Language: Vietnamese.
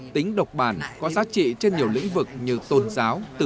tính độc bản có giá trị trên nhiều lĩnh vực như tổng hợp